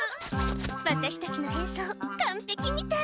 ワタシたちの変装かんぺきみたい。